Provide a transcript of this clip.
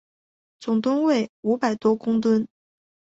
总吨位五百多公顿。